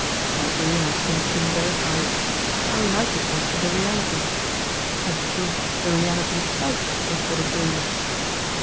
My dream has since been veri fied : â€" how like it was to the reality ! In truth, the reality itself was but a dream.